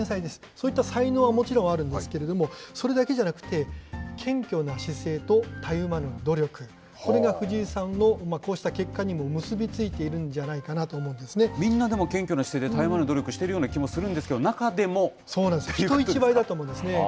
そういった才能はもちろんあるんですけれども、それだけじゃなくて、謙虚な姿勢とたゆまぬ努力、これが藤井さんをこうした結果にも結び付いているんじゃないかなみんな、でも謙虚な姿勢でたゆまぬ努力しているような気もするんですけど、中でもということ人一倍だと思うんですね。